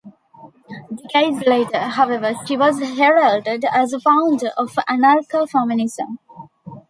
Decades later, however, she was heralded as a founder of anarcha-feminism.